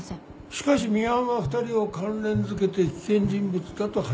しかしミハンは２人を関連付けて危険人物だとはじき出した。